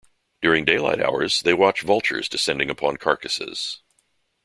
During daylight hours, they watch vultures descending upon carcasses.